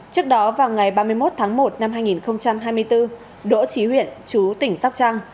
trước đó vào ngày ba mươi một tháng một năm hai nghìn hai mươi bốn đỗ trí huyện chú tỉnh sóc trăng